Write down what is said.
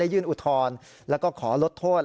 ยื่นอุทธรณ์แล้วก็ขอลดโทษ